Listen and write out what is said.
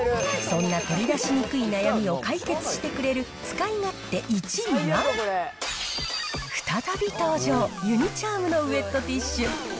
そんな取り出しにくい悩みを解決してくれる使い勝手１位が、再び登場、ユニ・チャームのウエットティッシュ。